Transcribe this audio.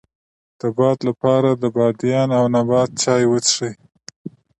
د باد لپاره د بادیان او نبات چای وڅښئ